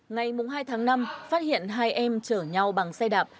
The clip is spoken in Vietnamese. ngày hai tháng năm phát hiện hai em chở nhau bằng xe đạp